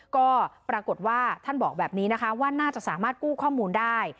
ก็ปรากฏว่าท่านบอกแบบนี้นะคะว่าน่าจะสามารถกู้ข้อมูลได้